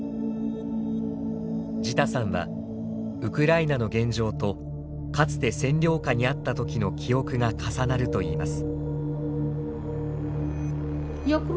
ジタさんはウクライナの現状とかつて占領下にあった時の記憶が重なるといいます。